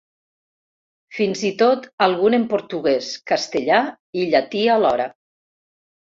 Fins i tot algun en portuguès, castellà i llatí alhora.